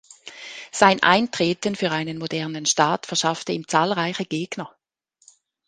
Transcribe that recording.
Sein Eintreten für einen modernen Staat verschaffte ihm zahlreiche Gegner.